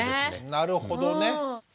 なるほどね。